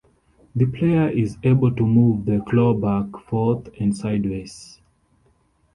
The player is able to move the claw back, forth, and sideways.